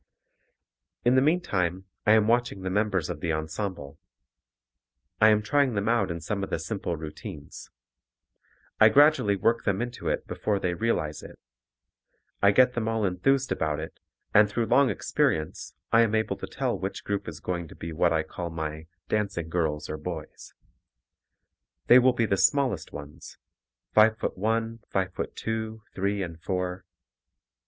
In the meantime I am watching the members of the ensemble. I am trying them out in some of the simple routines. I gradually work them into it before they realize it. I get them all enthused about it, and through long experience I am able to tell which group is going to be what I call my dancing girls or boys. They will be the smallest ones, five foot one, five foot two, three and four.